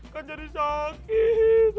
kan jadi sakit